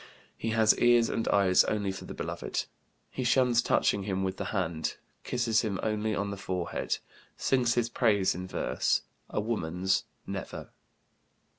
He has ears and eyes only for the beloved. He shuns touching him with the hand, kisses him only on the forehead, sings his praise in verse, a woman's never."